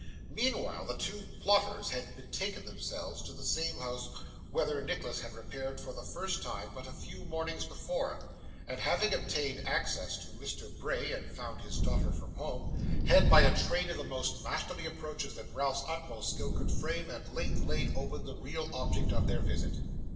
Meanwhile the two plotters had betaken themselves to the same house whither Nicholas had repaired for the first time but a few mornings before, and having obtained access to Mr. Bray, and found his daughter from home, had by a train of the most masterly approaches that Ralph's utmost skill could frame, at length laid open the real object of their visit.